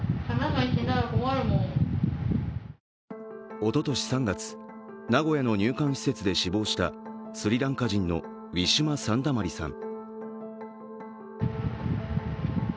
おととし３月、名古屋の入管施設で死亡したスリランカ人のウィシュマ・サンダマリさん。